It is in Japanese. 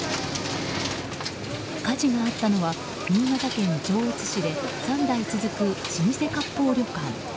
火事があったのは新潟県上越市で３代続く老舗割烹旅館。